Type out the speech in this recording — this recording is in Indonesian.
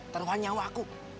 taruhan nyawa aku